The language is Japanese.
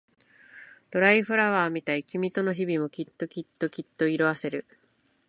ドライフラワーみたい君との日々もきっときっときっと色あせる